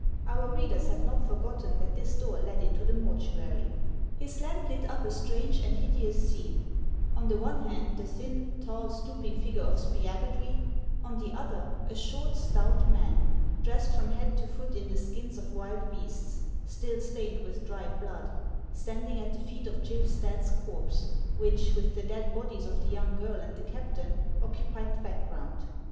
Our readers have not forgotten that this door led into the mortuary. 68 HAMS OF ICELAND. His lamp lit up a strange aud hideous scene, — on the one hand, the thin, tall, stooping figure of Spiagudry ; on the other, a short, stout man, dressed from head to foot in the skins of wild beasts, still stained with dried blood, standing at the feet of (Jill Stadt's corpse, which, with the dead bodies of the young girl and the captain, occupied the background.